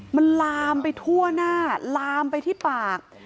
มันลามไปทั่วหน้าลามไปที่ปาก